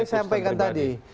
kan saya sampaikan tadi